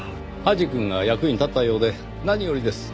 土師くんが役に立ったようで何よりです。